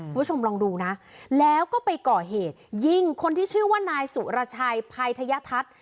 คุณผู้ชมลองดูนะแล้วก็ไปก่อเหตุยิงคนที่ชื่อว่านายสุรชัยภัยทยทัศน์